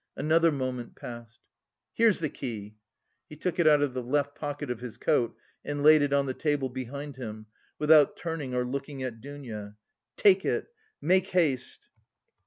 Another moment passed. "Here's the key." He took it out of the left pocket of his coat and laid it on the table behind him, without turning or looking at Dounia. "Take it! Make haste!"